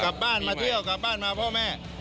กลับบ้านมาเที่ยวกลับบ้านมาพ่อแม่